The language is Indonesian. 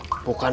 kamu gak tau kan